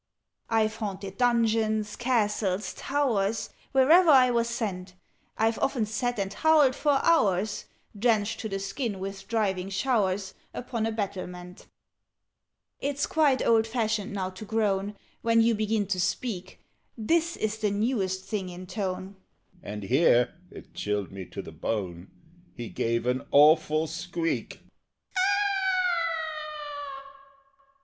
"I've haunted dungeons, castles, towers Wherever I was sent: I've often sat and howled for hours, Drenched to the skin with driving showers, Upon a battlement. "It's quite old fashioned now to groan When you begin to speak: This is the newest thing in tone " And here (it chilled me to the bone) He gave an awful squeak.